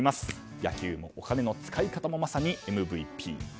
野球もお金の使い方もまさにＭＶＰ。